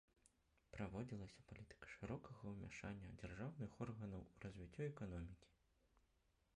Праводзілася палітыка шырокага ўмяшання дзяржаўных органаў у развіццё эканомікі.